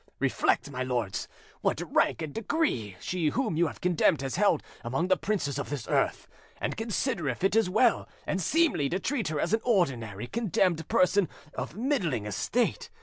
Reflect, my lords, what rank and degree she whom you have condemned has held among the princes of this earth, and consider if it is well and seemly to treat her as an ordinary condemned person of middling estate.